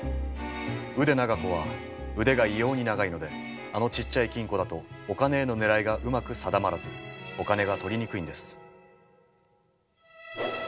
腕長子は腕が異様に長いのであのちっちゃい金庫だとお金への狙いがうまく定まらずお金が取りにくいんです。